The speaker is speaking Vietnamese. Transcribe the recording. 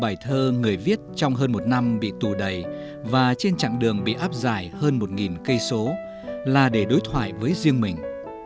một trăm ba mươi bốn bài thơ người viết trong hơn một năm bị tù đầy và trên chặng đường bị áp dài hơn một cây số là để đối thoại với riêng mình